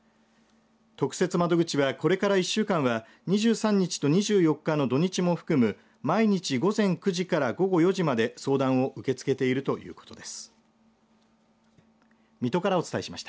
特設窓口はこれから１週間は２３日と２４日の土日も含む毎日午前９時から午後４時まで相談を受け付けているということです。